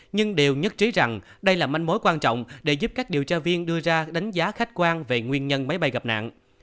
nhưng đều nhất trí rằng đây là manh mối quan trọng để giúp các điều tra viên đưa ra đánh giá khách quan về nguyên nhân máy bay gặp nạn